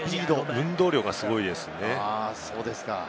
運動量がすごいですね。